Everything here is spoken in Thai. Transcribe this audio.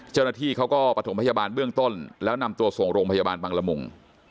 เจ้าหน้าที่เขาก็ประถมพยาบาลเบื้องต้นแล้วนำตัวส่งโรงพยาบาลบังละมุง